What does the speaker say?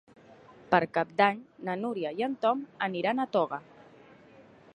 Per Cap d'Any na Núria i en Tom aniran a Toga.